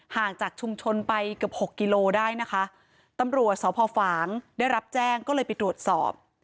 ห่างจากชุมชนไปเกือบหกกิโลได้นะคะตำรวจสพฝางได้รับแจ้งก็เลยไปตรวจสอบ